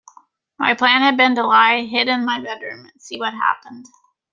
My plan had been to lie hid in my bedroom, and see what happened.